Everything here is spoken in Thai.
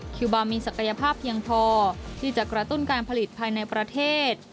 คิวบาร์มีศักยภาพเพียงพอที่จะกระตุ้นการผลิตภายในประเทศ